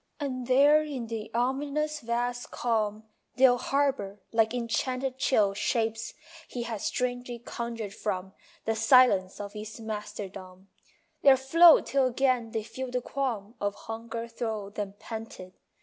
And there in the ominous vast calm They'll harbour, like enchanted Chill shapes he has strangely conjured from The silence of his masterdom; There float till again they feel the qualm Of hunger thro them panted.